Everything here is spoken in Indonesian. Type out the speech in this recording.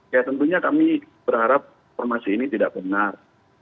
ya tentunya kami berharap informasi ini tidak benar